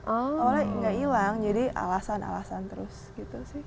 awalnya nggak hilang jadi alasan alasan terus gitu sih